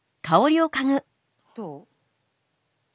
どう？